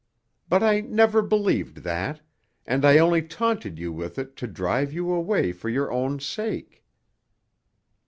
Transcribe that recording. But I never believed that, and I only taunted you with it to drive you away for your own sake."